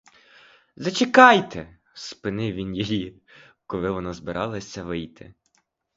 Зачекайте, — спинив він її, коли вона збиралася вийти.